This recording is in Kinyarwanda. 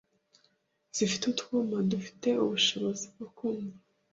zifite utwuma dufite ubushobozi bwo kumva